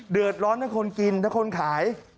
เดือดร้อนทั้งคนกินทั้งคนขาย